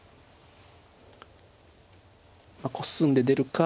コスんで出るか